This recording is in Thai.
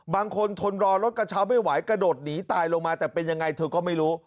ทนรอรถกระเช้าไม่ไหวกระโดดหนีตายลงมาแต่เป็นยังไงเธอก็ไม่รู้